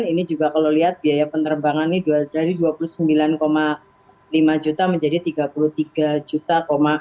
ini juga kalau lihat biaya penerbangan ini dari dua puluh sembilan lima juta menjadi tiga puluh tiga juta